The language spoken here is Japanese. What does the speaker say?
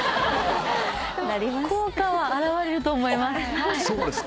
でも効果は表れると思います。